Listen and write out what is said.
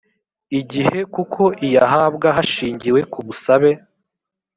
igihe kuko iyahabwa hashingiwe ku busabe